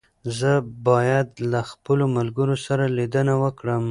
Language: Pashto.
زه بايد له خپلو ملګرو سره ليدنه وکړم.